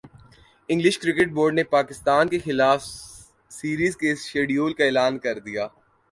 English cricket board نے پاکستان کیخلاف series کے شیڈول کا اعلان کر دیا